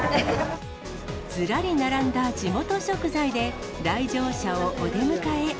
ずらり並んだ地元食材で、来場者をお出迎え。